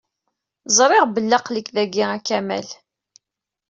Ẓriɣ belli aql-ik dagi, a Kamal.